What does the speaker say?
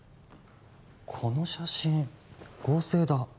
この写真合成だ